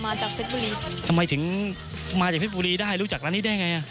จากเพชรบุรีทำไมถึงมาจากเพชรบุรีได้รู้จักร้านนี้ได้ไงอ่ะ